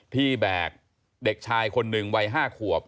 แบกเด็กชายคนหนึ่งวัย๕ขวบ